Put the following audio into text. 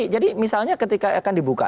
jadi misalnya ketika akan dibuka